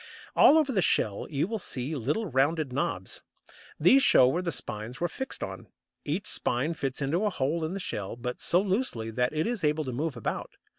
All over the shell you will see little rounded knobs. These show where the spines were fixed on; each spine fits into a hole in the shell, but so loosely that it is able to move about.